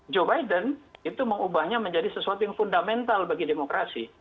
joe biden itu mengubahnya menjadi sesuatu yang fundamental bagi demokrasi